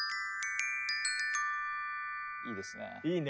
いいですね。